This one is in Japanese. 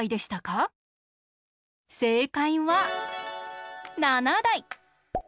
せいかいは７だい！